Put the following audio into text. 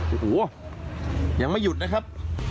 โอ้โหยังไม่หยุดนะครับ